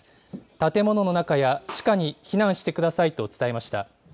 建物の中や地下に避難してくださいと伝えました。